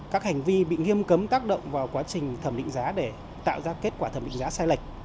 các hành vi bị nghiêm cấm tác động vào quá trình thẩm định giá để tạo ra kết quả thẩm định giá sai lệch